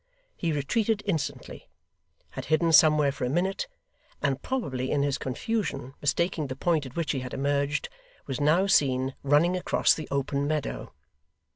He retreated instantly had hidden somewhere for a minute and probably in his confusion mistaking the point at which he had emerged, was now seen running across the open meadow.